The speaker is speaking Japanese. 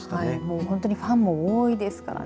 本当にファンも多いですからね。